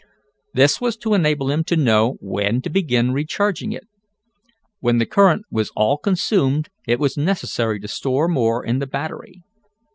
This was to enable him to know when to begin recharging it. When the current was all consumed it was necessary to store more in the battery.